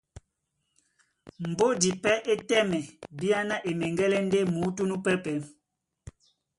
Mbódi pɛ́ é tɛ́mɛ bíáná e meŋgɛ́lɛ́ ndé muútú núpɛ́pɛ̄,